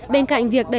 bên cạnh việc đối tượng